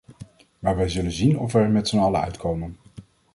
Maar wij zullen zien of wij er met z'n allen uitkomen.